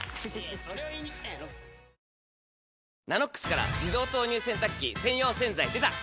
「ＮＡＮＯＸ」から自動投入洗濯機専用洗剤でた！